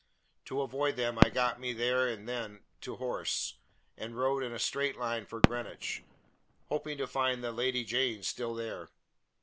To avoid them I got me there and then to horse, and rode in a straight line for Greenwich, hoping to find the Lady Jane still there.